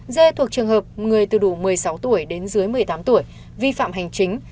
dê thuộc trường hợp người từ đủ một mươi sáu tuổi đến dưới một mươi tám tuổi vi phạm hành chính